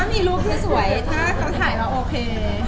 มีรูปสวยถ้าเขาถ่ายแล้วโอเค